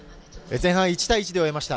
前半１対１で終えました。